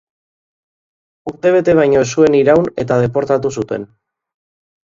Urtebete baino ez zuen iraun eta deportatu zuten.